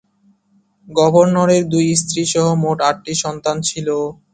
গভর্নরের দুই স্ত্রীসহ মোট আট সন্তান ছিল।